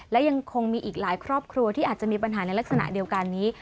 และยังคงมีอีกหลายครอบครัวที่อาจจะมีปัญหาในลักษณะเดียวกันนี้